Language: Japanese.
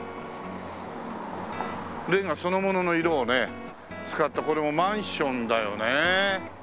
レンガそのものの色をね使ったこれもマンションだよね。